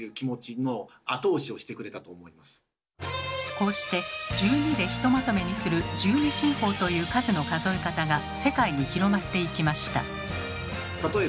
こうして１２でひとまとめにする「１２進法」という数の数え方が世界に広まっていきました。